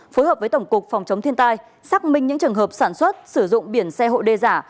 phối hợp với tổng cục phòng chống thiên tai xác minh những trường hợp sản xuất sử dụng biển xe hộ đê giả